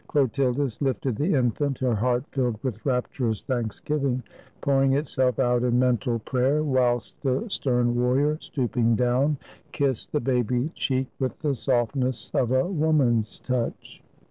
Chlotildis lifted the infant, her heart' filled with rap turous thanksgiving, pouring itself out in mental prayer, whilst the stern warrior, stooping down, kissed the baby cheek with the softness of a woman's touch.